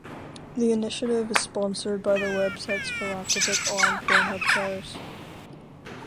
The initiative is sponsored by the website's philanthropic arm Pornhub Cares.